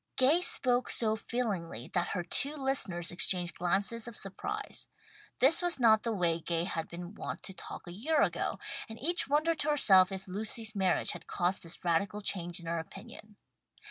Gay spoke so feelingly that her two listeners exchanged glances of surprise. This was not the way Gay had been wont to talk a year ago, and each wondered to herself if Lucy's marriage had caused this radical change in her opinion.